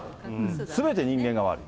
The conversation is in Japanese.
すべて人間が悪い。